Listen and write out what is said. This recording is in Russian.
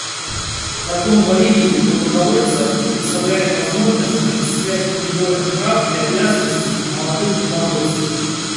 Закон Боливии о добровольцах предоставляет возможность осуществлять мониторинг прав и обязанностей молодых добровольцев.